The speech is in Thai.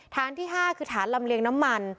ฐานที่๕คือฐานลำเลียงน้ำมัน